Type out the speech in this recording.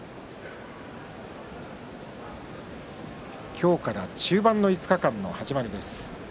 今日から中盤の５日間の始まりです。